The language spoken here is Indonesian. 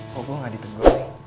kok gua gak ditunggu